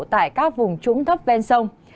tại các vùng trũng thấp bên sông